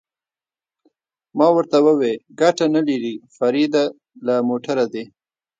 ما ورته وویل: ګټه نه لري، فرید له موټره دې.